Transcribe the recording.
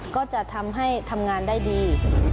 ก็จะทำให้ทำงานได้ดี